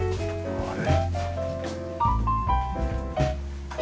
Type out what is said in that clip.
あれ？